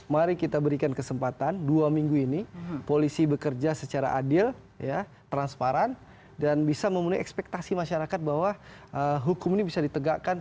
mari kita berikan kesempatan dua minggu ini polisi bekerja secara adil transparan dan bisa memenuhi ekspektasi masyarakat bahwa hukum ini bisa ditegakkan